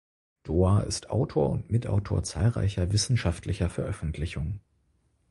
Dohr ist Autor und Mitautor zahlreicher wissenschaftlicher Veröffentlichungen.